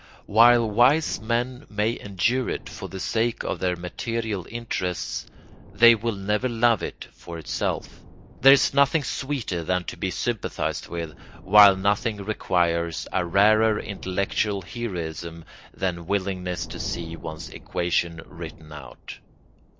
While wise men may endure it for the sake of their material interests, they will never love it for itself. There is nothing sweeter than to be sympathised with, while nothing requires a rarer intellectual heroism than willingness to see one's equation written out.